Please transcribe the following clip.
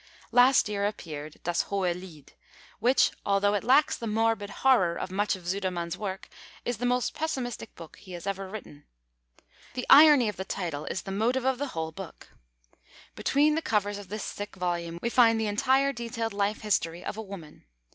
Last year appeared Das hohe Lied, which, although it lacks the morbid horror of much of Sudermann's work, is the most pessimistic book he has ever written. The irony of the title is the motive of the whole novel. Between the covers of this thick volume we find the entire detailed life history of a woman.